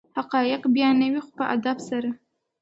حقایق بیانوي خو په ادب سره.